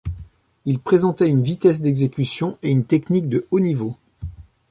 Il présentait une vitesse d’exécution et une technique de haut niveau.